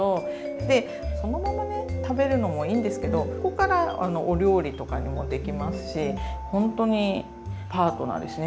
でそのままね食べるのもいいんですけどここからお料理とかにもできますしほんとにパートナーですね